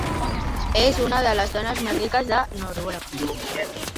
És una de les dones més riques de Noruega.